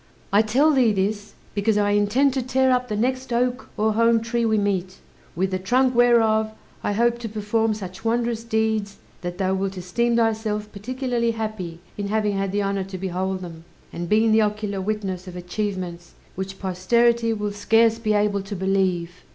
I tell thee this, because I intend to tear up the next oak or holm tree we meet; with the trunk whereof I hope to perform such wondrous deeds that thou wilt esteem thyself particularly happy in having had the honour to behold them, and been the ocular witness of achievements which posterity will scarce be able to believe."